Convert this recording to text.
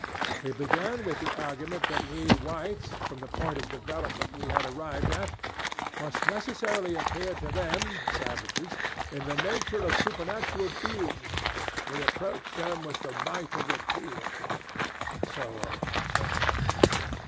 He began with the argument that we whites, from the point of development we had arrived at, 'must necessarily appear to them [savages] in the nature of supernatural beings we approach them with the might as of a deity,' and so on, and so on.